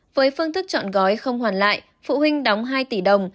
với phương thức chọn gói không hoàn lại phụ huynh đóng hai tỷ đồng